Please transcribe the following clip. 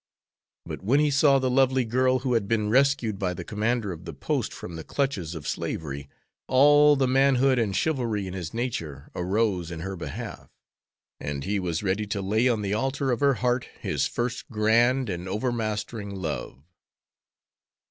But when he saw the lovely girl who had been rescued by the commander of the post from the clutches of slavery, all the manhood and chivalry in his nature arose in her behalf, and he was ready to lay on the altar of her heart his first grand and overmastering love.